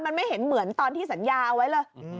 มันไม่เห็นเหมือนตอนที่สัญญาเอาไว้เลย